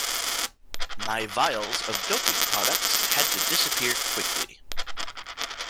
My vials of doping products had to disappear quickly.